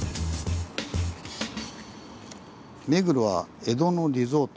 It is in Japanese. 「目黒は江戸のリゾート⁉」。